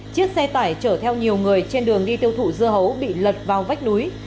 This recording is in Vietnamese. chiếc xe tải chở theo nhiều người trên đường đi tiêu thụ dưa hấu bị lật vào vách núi